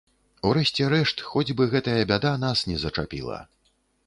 У рэшце рэшт, хоць бы гэтая бяда нас не зачапіла.